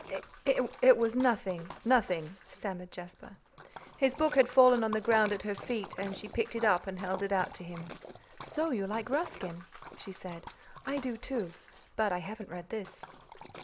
"It was nothing nothing," stammered Jasper. His book had fallen on the ground at her feet, and she picked it up and held it out to him. "So you like Ruskin," she said. "I do, too. But I haven't read this."